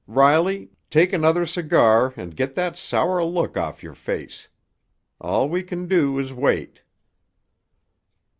Riley, take another cigar and get that sour look off your face. All we can do is wait."